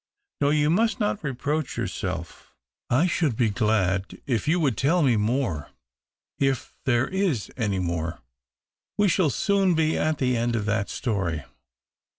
No, you must not reproach yourself. I should be THE OCTAVE OF CLAUDIUS. 261 glad if you would tell me more — if there is any more." "We shall soon be at the end of that story.